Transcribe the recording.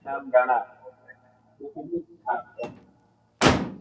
এটি আজারবাইজান এবং ককেশাস-এর ব্যস্ততম বিমানবন্দর।